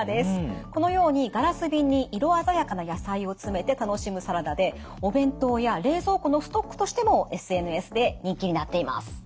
このようにガラス瓶に色鮮やかな野菜を詰めて楽しむサラダでお弁当や冷蔵庫のストックとしてもＳＮＳで人気になっています。